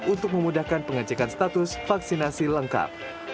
untuk memudahkan pengecekan status vaksinasi lengkap